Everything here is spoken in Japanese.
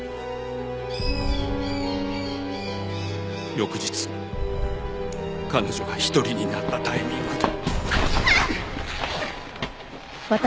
翌日彼女が一人になったタイミングで。